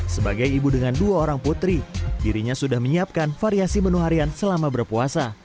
sebagai ibu dengan dua orang putri dirinya sudah menyiapkan variasi menu harian selama berpuasa